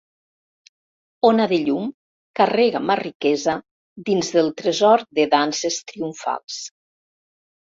Ona de llum, carrega ma riquesa dins del tresor de danses triomfals.